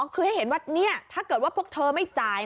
คือให้เห็นว่าเนี่ยถ้าเธอไม่จ่าย